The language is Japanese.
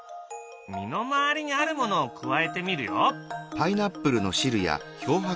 身の回りにあるものを加えてみるよ。